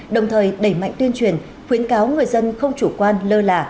đồng thời đẩy mạnh tuyên truyền khuyến cáo người dân không chủ quan lơ là